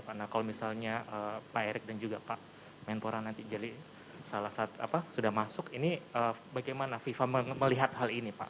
karena kalau misalnya pak erick dan juga pak mentora nanti jadi salah satu apa sudah masuk ini bagaimana fifa melihat hal ini pak